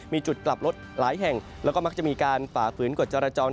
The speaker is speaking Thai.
มีจุดกลับรถหลายแห่งแล้วก็มักจะมีการฝ่าฝืนกฎจรจร